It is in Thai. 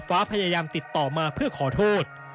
ฟ้าพยายามติดต่อมาเพื่อขอโทษ